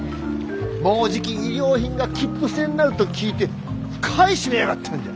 もうじき衣料品が切符制になると聞いて買い占めやがったんじゃ。